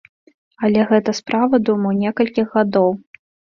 Але гэта справа, думаю, некалькіх гадоў.